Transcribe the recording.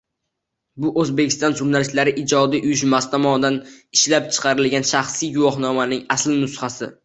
Bu O'zbekiston Jurnalistlari ijodiy uyushmasi tomonidan ishlab chiqilgan shaxsiy guvohnomaning asl nusxasi